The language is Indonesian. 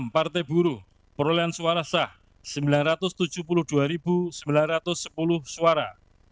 enam partai buruh perolehan suara sah sembilan ratus tujuh puluh dua sembilan ratus sepuluh suara